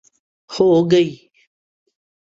ہو گی